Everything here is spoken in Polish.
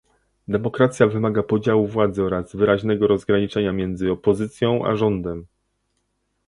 Demokracja wymaga podziału władzy oraz wyraźnego rozgraniczenia między opozycją a rządem